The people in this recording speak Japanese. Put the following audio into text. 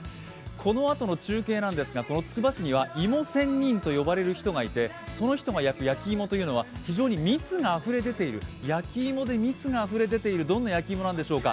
このあとの中継ですが、つくば市には、芋仙人と呼ばれる人がいて、その人が焼く焼き芋は非常に蜜があふれ出ている、焼き芋で蜜があふれ出ている、どんな焼き芋なんでしょうか。